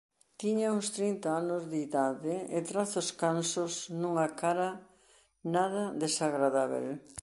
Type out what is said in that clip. Tiña uns trinta anos de idade e trazos cansos nunha cara nada desagradábel.